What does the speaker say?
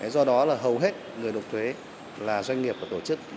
do đó là hầu hết người nộp thuế là doanh nghiệp và tổ chức